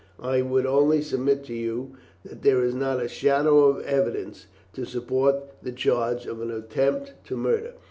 I would only submit to you that there is not a shadow of evidence to support the charge of an attempt to murder.